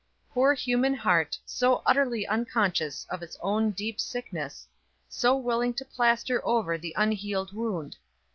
Poor human heart, so utterly unconscious of its own deep sickness so willing to plaster over the unhealed wound!